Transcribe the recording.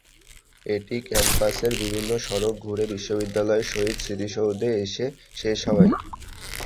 এটি ক্যাম্পাসের বিভিন্ন সড়ক ঘুরে বিশ্ববিদ্যালয়ের শহীদ স্মৃতিসৌধে এসে শেষ হয়।